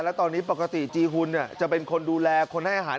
แล้วตอนนี้ปกติจีหุ่นจะเป็นคนดูแลคนให้อาหาร